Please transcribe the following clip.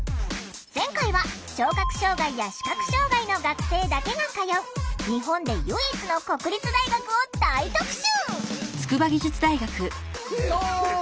前回は聴覚障害や視覚障害の学生だけが通う日本で唯一の国立大学を大特集！